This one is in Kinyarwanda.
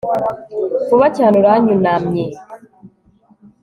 Vuba cyane uranyunamye